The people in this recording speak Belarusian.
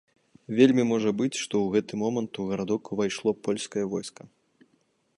Вельмі можа быць, што ў гэты момант у гарадок увайшло польскае войска.